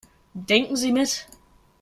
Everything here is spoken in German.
Denken Sie mit.